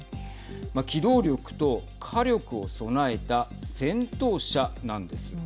機動力と火力を備えた戦闘車なんです。